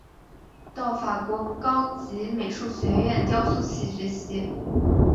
到法国高级美术学院雕塑系学习。